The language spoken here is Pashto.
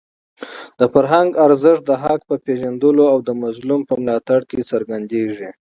د فرهنګ ارزښت د حق په پېژندلو او د مظلوم په ملاتړ کې څرګندېږي.